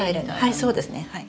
はいそうですねはい。